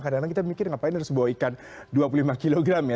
kadang kadang kita mikir ngapain harus bawa ikan dua puluh lima kg ya